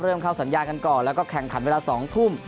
เริ่มเข้าสัญญากันก่อนแล้วก็แข่งขันเวลา๒ทุ่ม